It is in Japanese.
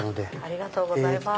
ありがとうございます。